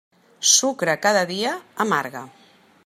Sucre cada dia, amarga.